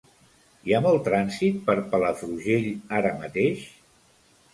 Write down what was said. Hi ha molt trànsit per Palafrugell ara mateix?